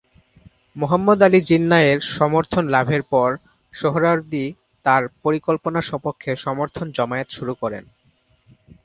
মোহাম্মদ আলী জিন্নাহ এর সমর্থন লাভের পর সোহরাওয়ার্দী তার পরিকল্পনার সপক্ষে সমর্থন জমায়েত শুরু করেন।